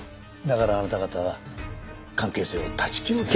だからあなた方は関係性を断ち切ろうと。